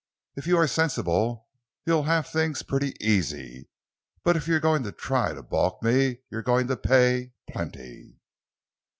If you are sensible, you'll have things pretty easy; but if you're going to try to balk me you're going to pay—plenty!"